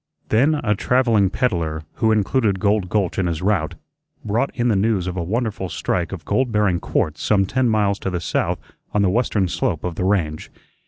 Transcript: Then a travelling peddler, who included Gold Gulch in his route, brought in the news of a wonderful strike of gold bearing quartz some ten miles to the south on the western slope of the range.